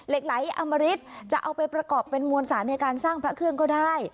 ไ้อมริตจะเอาไปประกอบเป็นมวลสารในการสร้างพระเครื่องก็ได้